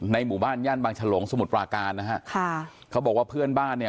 หมู่บ้านย่านบางฉลงสมุทรปราการนะฮะค่ะเขาบอกว่าเพื่อนบ้านเนี่ย